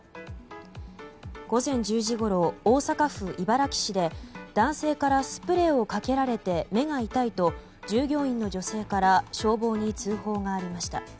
午前１０時ごろ、大阪府茨木市で男性からスプレーをかけられて目が痛いと従業員の女性から消防に通報がありました。